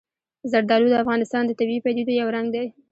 زردالو د افغانستان د طبیعي پدیدو یو رنګ دی.